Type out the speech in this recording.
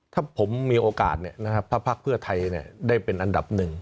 ถ้าผมมีโอกาสเนี่ยนะฮะภาพภาคเผื่อไทยเนี่ยได้เป็นอันดับหนึ่ง